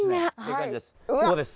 ここです。